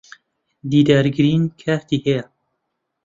دیدار گرین کارتی ھەیە.